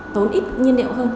tốn ít nhiên liệu hơn